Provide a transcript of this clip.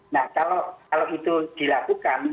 nah kalau itu dilakukan